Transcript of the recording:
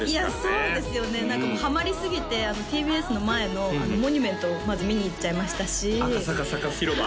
そうですよね何かもうハマりすぎてＴＢＳの前のモニュメントをまず見に行っちゃいましたし赤坂Ｓａｃａｓ広場？